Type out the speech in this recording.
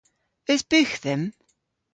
Eus bugh dhymm?